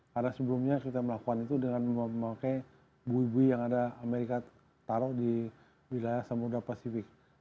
karena sebelumnya kita melakukan itu dengan memakai bui bui yang ada amerika taruh di wilayah samudera pasifik